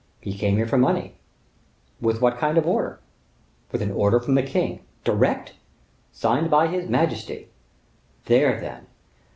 "He came here for money." "With what kind of order?" "With an order from the king." "Direct?" "Signed by his majesty." "There, then!